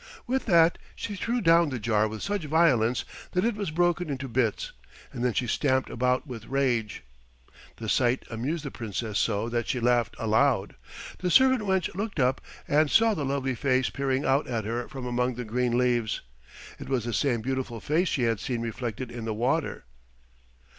With that she threw down the jar with such violence that it was broken into bits, and then she stamped about with rage. The sight amused the Princess so that she laughed aloud. The servant wench looked up and saw the lovely face peering out at her from among the green leaves; it was the same beautiful face she had seen reflected in the water.